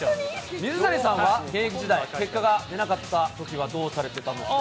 水谷さんは現役時代、結果が出なかったときはどうされてたんですか？